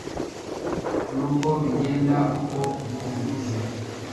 nuko bigenda uko ubivuze